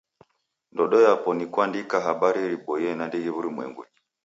Ndodo yapo ni kuandika habari riboie nandighi w'urumwengunyi.